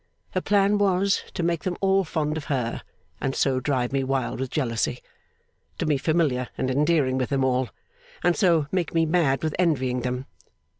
Her plan was, to make them all fond of her and so drive me wild with jealousy. To be familiar and endearing with them all and so make me mad with envying them.